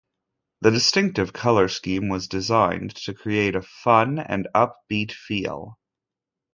The distinctive colour scheme was designed to create a fun and upbeat feel.